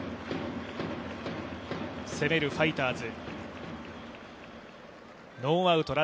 攻めるファイターズ。